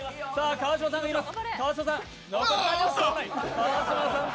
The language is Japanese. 川島さんがいきます。